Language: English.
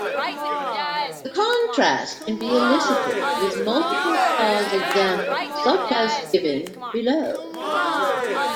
The contrast can be elicited with multiple clause examples such as given below.